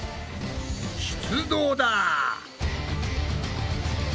出動だ！